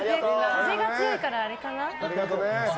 風が強いから、あれかな。